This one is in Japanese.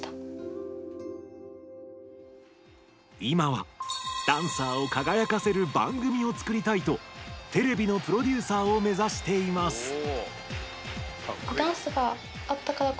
いまはダンサーを輝かせる番組をつくりたいとテレビのプロデューサーを目指しています。